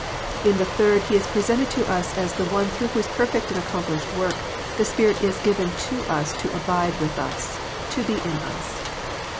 In the third He is presented to us as the One through whose perfect and accomplished work the Spirit is given to us to abide with us, to be in us.